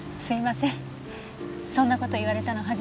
そんな事言われたの初めてで。